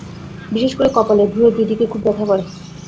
বিশেষ করে কপালে, ভ্রুয়ের দুই দিকে খুব ব্যথা করে।